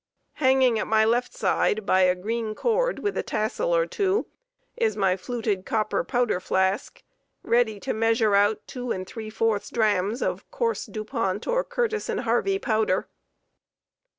Hanging at my left side by a green cord with a tassel or two is my fluted copper powder flask, ready to measure out two and three fourths drams of coarse Dupont or Curtis & Harvey powder.